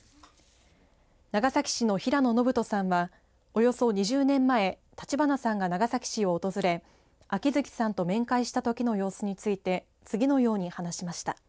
長崎市の平野伸人さんはおよそ２０年前立花さんが長崎市を訪れ秋月さんと面会したときの様子について次のように話しました。